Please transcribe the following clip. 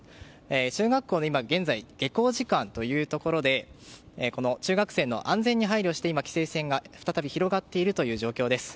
中学校の下校時間というところで中学生の安全に配慮して今、規制線が再び広がっている状況です。